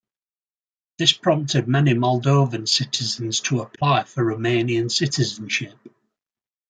This prompted many Moldovan citizens to apply for Romanian citizenship.